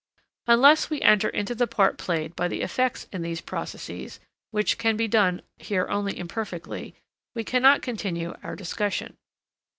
Unless we enter into the part played by the affects in these processes, which can be done here only imperfectly, we cannot continue our discussion.